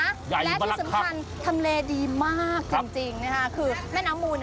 ใหญ่มากครับและที่สำคัญทำเลดีมากจริงนะคะคือแม่น้ำมูน